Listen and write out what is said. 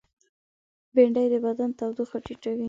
بېنډۍ د بدن تودوخه ټیټوي